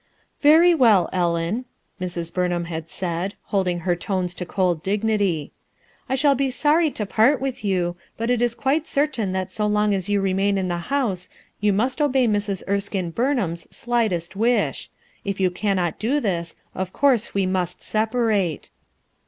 "Very well, Ellen," Mrs. Buraham had said, holding her tones to cold dignity. "I shall be sorry to part with you, but it is quite certain that so long as you remain in the house you must obey Mrs. Erskine Burnham's slightest wish. If you eannot do this, of course we must separate."